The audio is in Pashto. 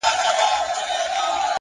نظم د پرمختګ ملګری دی,